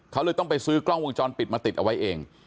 เขาเลยต้องไปซื้อกล้องวงจรปิดมาติดเอาไว้เอง